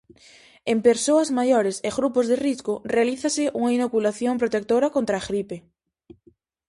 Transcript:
En persoas maiores e grupos de risco, realízase unha inoculación protectora contra a gripe.